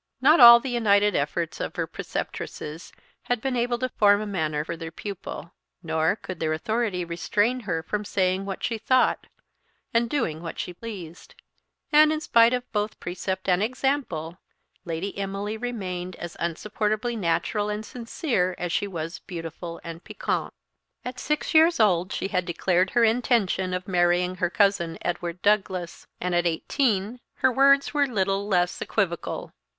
Not all the united efforts of her preceptresses had been able to form a manner for their pupil; nor could their authority restrain her from saying what she thought, and doing what she pleased; and, in spite of both precept and example, Lady Emily remained as insupportably natural and sincere as she was beautiful and piquante. At six years old she had declared her intention of marrying her cousin Edward Douglas, and at eighteen her words were little less equivocal.